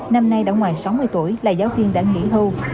năm nay đã ngoài sáu mươi tuổi là giáo viên đã nghỉ hưu